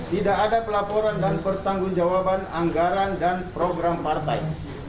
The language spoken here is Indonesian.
tidak ada pelaporan dan pertanggung jawaban anggaran dan program partai